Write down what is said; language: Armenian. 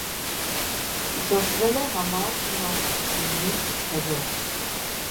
Զոհվել է համառ դիմադրությունից հետո։